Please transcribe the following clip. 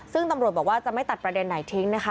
ซึ่งตำรวจบอกว่าจะไม่ตัดประเด็นไหนทิ้งนะคะ